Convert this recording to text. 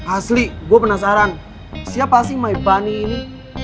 asli gue penasaran siapa sih my body ini